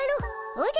おじゃ。